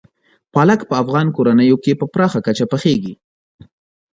پالک په افغان کورنیو کې په پراخه کچه پخېږي.